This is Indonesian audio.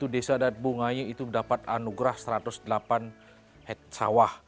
desa adat bungaya dapat anugerah satu ratus delapan sawah